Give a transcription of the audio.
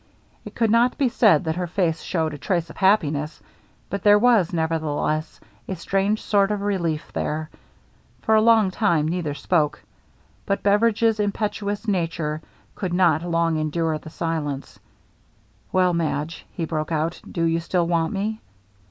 It could not be said that her face showed a trace of happiness, but there was, nevertheless, a strange sort of relief there. BEVERIDGE SURPRISES HIMSELF 413 For a long time neither spoke. But Bever idge's impetuous nature could not long endure this silence. " Well, Madge/' he broke out, " do you still want me